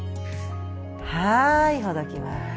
はいほどきます。